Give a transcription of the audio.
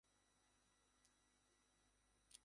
সহ আরো অনেকে।